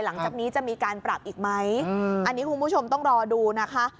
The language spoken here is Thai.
หลังจากนี้จะมีการปรับอีกไหมอันนี้คุณผู้ชมต้องรอดูนะคะ